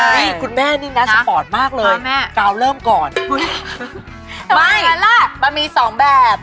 ใช่คุณแม่นี่นะสปอร์ตมากเลยกาวเริ่มก่อนอุ๊ยไม่มันมี๒แบบ